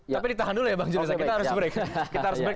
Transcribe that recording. tapi ditahan dulu ya bang julius kita harus break